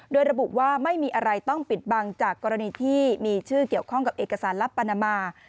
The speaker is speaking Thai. โดยระบุว่าไม่มีอะไรต้องปิดบังจากกรณีที่มีชื่อเกี่ยวข้องกับเอกสารลับปานามา